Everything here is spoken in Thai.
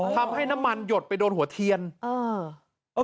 ทำให้น้ำมันหยดไปโดนหัวเทียนเออ